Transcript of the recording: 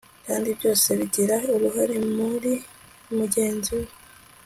kandi byose bigira uruhare muri mugenzi we